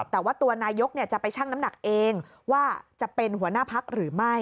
แต่ว่าตัวนายกจะไปชั่งน้ำหนักเองว่าจะเป็นหัวหน้าพักหรือไม่